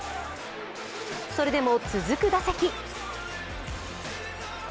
それでも、続く打席。